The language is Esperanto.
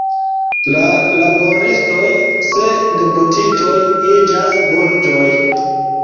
La laboristoj se deputitoj iĝas burĝoj.